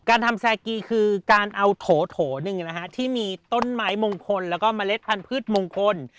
การทำแซกีคือการเอาโถหนึ่งที่มีต้นไม้มงคลแล้วก็เมล็ดพันธุ์มงคล